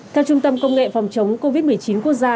theo trung tâm công nghệ phòng chống covid một mươi chín quốc gia